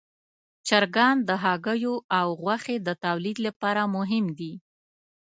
چرګان د هګیو او غوښې د تولید لپاره مهم دي.